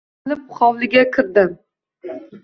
Otilib hovliga kirdim.